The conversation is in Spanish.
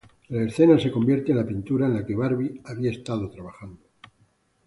La escena se convierte en la pintura en la que Barbie había estado trabajando.